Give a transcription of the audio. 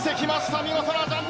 見事なジャンプ！